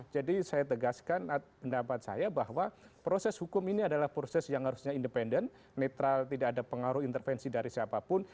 jadi saya tegaskan pendapat saya bahwa proses hukum ini adalah proses yang harusnya independen netral tidak ada pengaruh intervensi dari siapapun